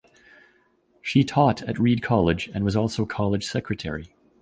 She taught at Reed College and was also college secretary.